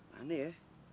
gak ada ya